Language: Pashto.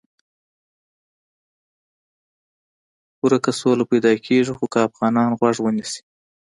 ورکه سوله پیدا کېږي خو که افغانان غوږ ونیسي.